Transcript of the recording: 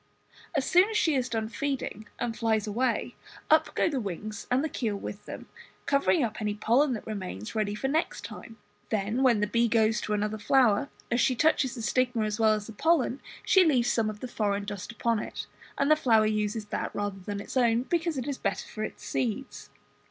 As soon as she has done feeding and flies away, up go the wings and the keel with them, covering up any pollen that remains ready for next time. Then when the bee goes to another flower, as she touches the stigma as well as the pollen, she leaves some of the foreign dust upon it, and the flower uses that rather than its own, because it is better for its seeds.